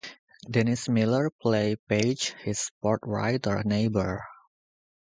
Denise Miller played Paige, his sportswriter neighbor.